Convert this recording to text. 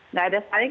nggak ada salur